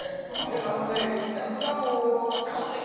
あのねいたずらもかわいいですよ。